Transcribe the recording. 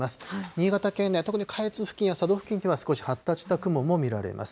新潟県内、特に下越付近や佐渡付近では少し発達した雲も見られます。